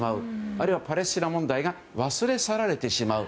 あるいはパレスチナ問題が忘れ去られてしまう。